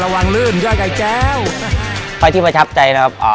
ฟ้ายที่ประชับใจนะครับ